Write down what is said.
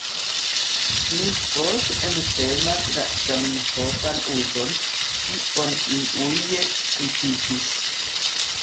Mi forte emfazas la Zamenhofan uzon, kion iuj kritikis.